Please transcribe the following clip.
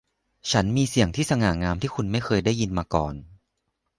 ฉันมีเสียงที่สง่างามที่คุณไม่เคยได้ยินมาก่อน